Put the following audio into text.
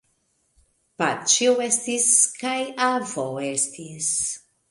Paĉjo estis kaj avo estis.